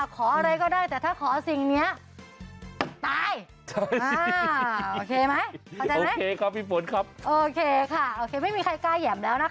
ขออะไรก็ได้แต่ถ้าขอสิ่งนี้ตาย